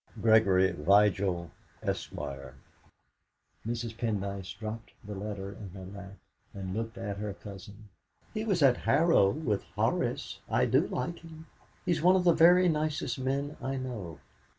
"Gregory Vigil, Esq." Mrs. Pendyce dropped the letter in her lap, and looked at her cousin. "He was at Harrow with Horace. I do like him. He is one of the very nicest men I know."